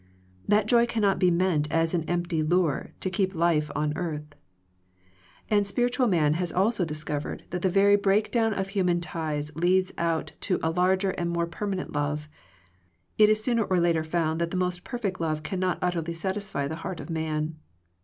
That joy cannot be meant as an empty lure to keep life on the earth. And spiritual man has also discovered that the very breakdown of human ties leads out to a larger and more permanent love. It is sooner or later found that the most perfect love cannot utterly satisfy the heart of man.